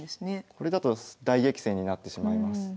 これだと大激戦になってしまいます。